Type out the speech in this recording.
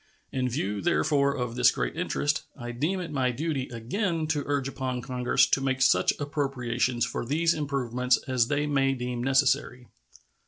In view, therefore, of this great interest, I deem it my duty again to urge upon Congress to make such appropriations for these improvements as they may deem necessary.